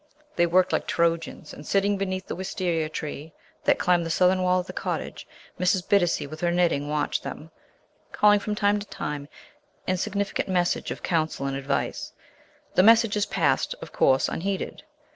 They worked like Trojans, and, sitting beneath the wisteria tree that climbed the southern wall of the cottage, Mrs. Bittacy with her knitting watched them, calling from time to time insignificant messages of counsel and advice. The messages passed, of course, unheeded.